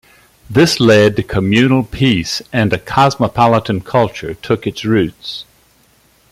This led to communal peace and a cosmopolitan culture took its roots.